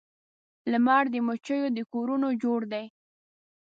لمر د مچېو د کورونو جوړ دی